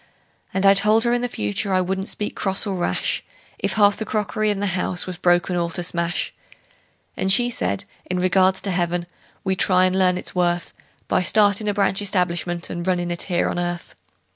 And I told her in the future I wouldn't speak cross or rash If half the crockery in the house was broken all to smash; And she said, in regards to heaven, we'd try and learn its worth By startin' a branch establishment and runnin' it here on earth.